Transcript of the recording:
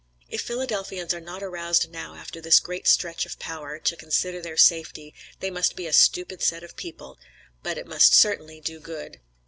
If Philadelphians are not aroused now after this great stretch of power, to consider their safety, they must be a stupid set of people, but it must certainly do good.